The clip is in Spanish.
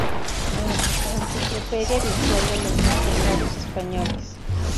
En: Enciclopedia Virtual de los Vertebrados Españoles.